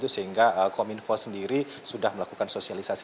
sehingga kominfo sendiri sudah melakukan sosialisasi